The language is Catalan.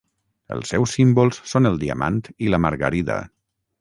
Els seus símbols són el diamant i la margarida.